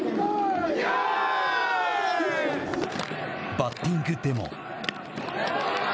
バッティングでも。